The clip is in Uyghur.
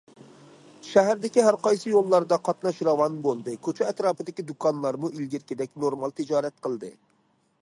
شەھەردىكى ھەر قايسى يوللاردا قاتناش راۋان بولدى، كوچا ئەتراپىدىكى دۇكانلارمۇ ئىلگىرىكىدەك نورمال تىجارەت قىلدى.